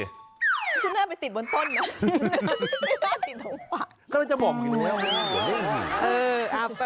เออว่ามีประโยชน์นะฮะ